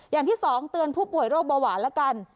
อย่างที่สองเตือนผู้ป่วยโรคเบาหวานละกัน